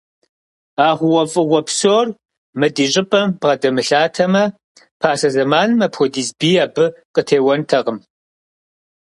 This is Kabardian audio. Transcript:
А хъугъуэфӏыгъуэ псор мы ди щӏыпӏэм бгъэдэмылъатэмэ, пасэ зэманым апхуэдиз бий абы къытеуэнтэкъым.